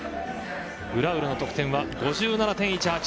グラウルの得点は５７．１８。